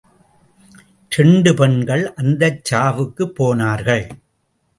இரண்டு பெண்கள் அந்தச் சாவுக்குப் போனார்கள்.